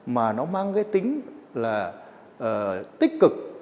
mà nó mang cái tính là tích cực